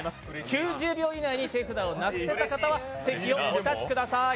９０秒以内に手札をなくせた方は席をお立ちください。